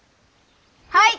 はい！